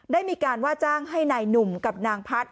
ได้มีการว่าจ้างให้นายหนุ่มกับนางพัฒน์